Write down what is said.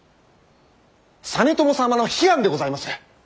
実朝様の悲願でございます！